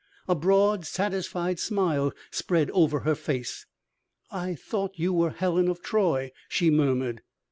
A broad, satisfied smile spread over her face. "I thought you were Helen of Troy," she murmured.